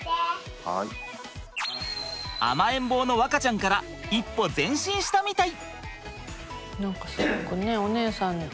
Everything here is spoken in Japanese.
甘えん坊の和花ちゃんから一歩前進したみたい！